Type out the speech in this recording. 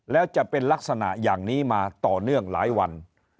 แล้วจะเป็นลักษณะอย่างนี้มาต่อเนื่องหลายวัน